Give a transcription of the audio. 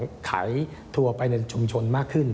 ในเรื่องของขายทัวร์ไปในชุมชนมากขึ้น